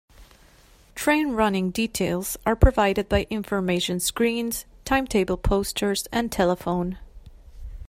Train running details are provided by information screens, timetable posters and telephone.